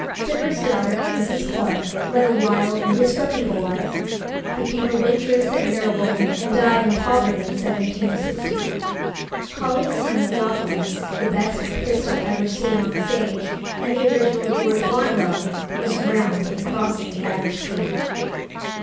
Cibber's daughter, Mrs. Clarke, led a wild and disreputable life, became a waitress at Marylebone, and died in poverty in 1760. Colley's son Theophilus, the best Pistol ever seen on the stage, and the original George Barnwell, was drowned in crossing the Irish Sea.